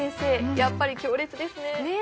やっぱり強烈ですねねえ